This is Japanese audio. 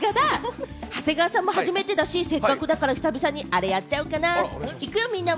長谷川さんも初めてだし、せっかくだから久々にあれ、やっちゃおうかな。